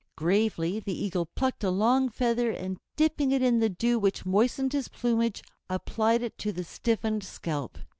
Gravely the Eagle plucked a long feather, and dipping it in the dew which moistened his plumage, applied it to the stiffened scalp.